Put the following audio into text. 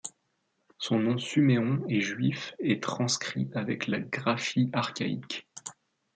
Son nom Suméon, est juif et transcrit avec la graphie archaïque.